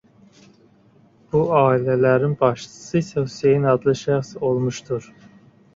Bu ailələrin başçısı isə Hüseyn adlı şəxs olmuşdur.